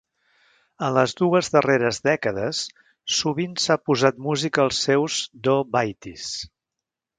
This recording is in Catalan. En les dues darreres dècades, sovint s'ha posat música als seus do-baytis.